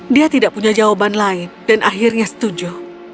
dia tidak punya jawaban lain dan akhirnya setuju